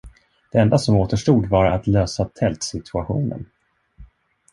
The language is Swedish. Det enda som återstod var att lösa tältsituationen.